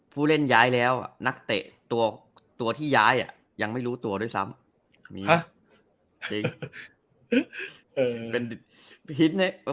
ผู้เล่นย้ายแล้วนักเตะตัวที่ย้ายยังไม่รู้ตัวด้วยซ้ำ